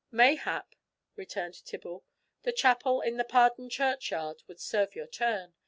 "Mayhap," returned Tibble, "the chapel in the Pardon churchyard would serve your turn.